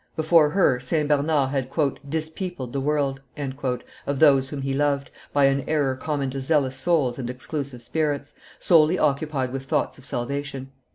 Before her, St. Bernard had "dispeopled the world " of those whom he loved, by an error common to zealous souls and exclusive spirits, solely occupied with thoughts of salvation.